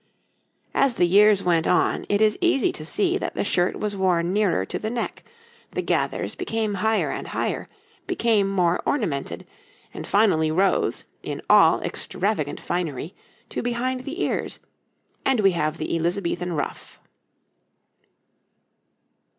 As the years went on it is easy to see that the shirt was worn nearer to the neck, the gathers became higher and higher, became more ornamented, and finally rose, in all extravagant finery, to behind the ears and we have the Elizabethan ruff.